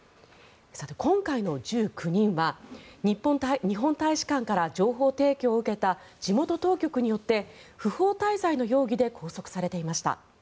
今回の１９人は日本大使館から情報提供を受けた地元当局によって不法滞在の容疑で拘束されていました。